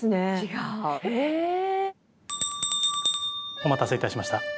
お待たせいたしました。